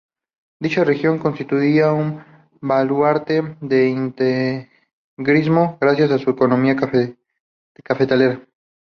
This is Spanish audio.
Dicha región constituía un baluarte del integrismo, gracias a su economía cafetalera.